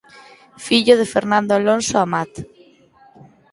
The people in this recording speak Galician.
Fillo de Fernando Alonso Amat.